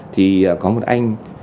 thì có một anh